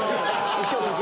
一応。